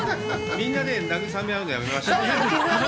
みんなで慰め合うの、やめましょう。